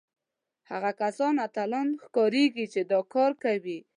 هغه کسان اتلان ښکارېږي چې دا کار کوي